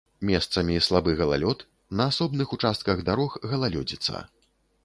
Месцамі слабы галалёд, на асобных участках дарог галалёдзіца.